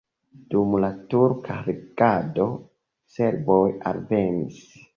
Dum la turka regado serboj alvenis.